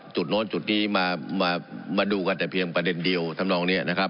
โน้นจุดนี้มาดูกันแต่เพียงประเด็นเดียวทำนองนี้นะครับ